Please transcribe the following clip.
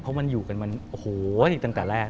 เพราะมันอยู่กันมันโอ้โหตั้งแต่แรก